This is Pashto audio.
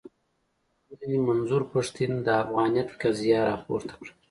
ښاغلي منظور پښتين د افغانيت قضيه راپورته کړه.